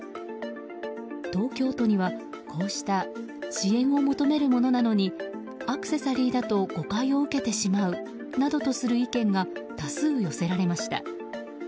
東京都には、こうした支援を求めるものなのにアクセサリーだと誤解を受けてしまうなどとする意見が多数寄せられました。